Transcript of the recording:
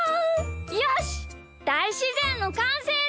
よしだいしぜんのかんせいだ！